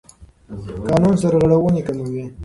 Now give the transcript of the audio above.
قانون سرغړونې کموي.